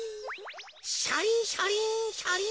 シャリンシャリンシャリン。